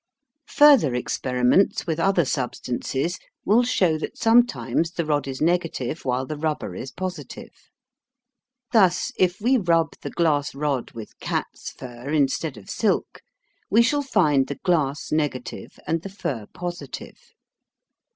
Further experiments with other substances will show that sometimes the rod is negative while the rubber is positive. Thus, if we rub the glass rod with cat's fur instead of silk, we shall find the glass negative and the fur positive.